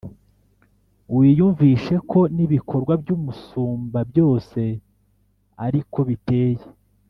Wiyumvishe ko n’ibikorwa by’Umusumbabyose ari ko biteye,